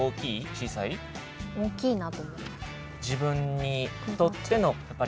小さい？大きいなと思います。